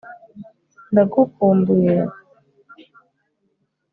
ndagukumbuye